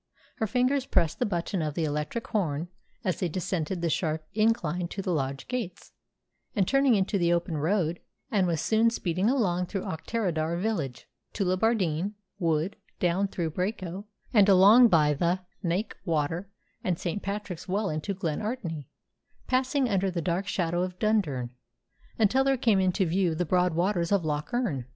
Her fingers pressed the button of the electric horn as they descended the sharp incline to the lodge gates; and, turning into the open road, she was soon speeding along through Auchterarder village, skirted Tullibardine Wood, down through Braco, and along by the Knaik Water and St. Patrick's Well into Glen Artney, passing under the dark shadow of Dundurn, until there came into view the broad waters of Loch Earn.